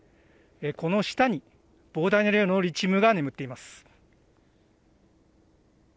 この下に膨大な量のリチウムが眠っています。